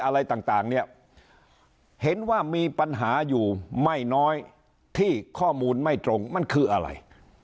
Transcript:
อะไรต่างเนี่ยเห็นว่ามีปัญหาอยู่ไม่น้อยที่ข้อมูลไม่ตรงมันคืออะไร